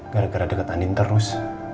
gara gara deketanin terus